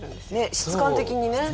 質感的に。